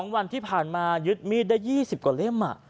วันที่ผ่านมายึดมีดได้๒๐กว่าเล่ม